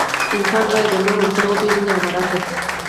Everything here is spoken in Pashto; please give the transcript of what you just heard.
انسان باید د نورو حقونه وپیژني او مراعات کړي.